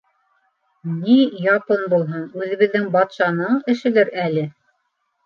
— Ни япон булһын, үҙебеҙҙең батшаның эшелер әле.